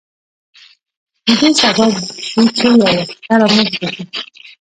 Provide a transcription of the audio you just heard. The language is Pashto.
د دې سبب شو چې یو واسطه رامنځته شي.